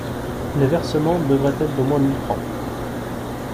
Les versements devraient être d'au moins mille fr.